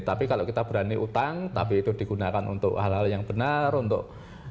tapi kalau kita berani utang tapi itu digunakan untuk hal hal yang benar untuk